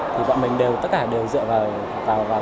thì bọn mình đều tất cả đều dựa vào